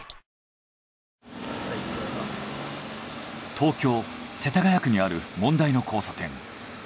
東京世田谷区にある問題の交差点。